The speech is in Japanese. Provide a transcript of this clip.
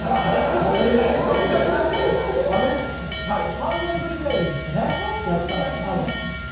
３年ぶりくらいですよね、やったの、たぶん。